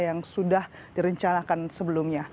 yang sudah direncanakan sebelumnya